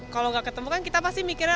kalau nggak ketemu kan kita pasti mikirnya